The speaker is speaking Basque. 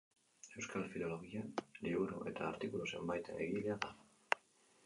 Euskal filologian liburu eta artikulu zenbaiten egilea da.